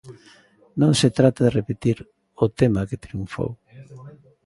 Non se trata de repetir o tema que triunfou.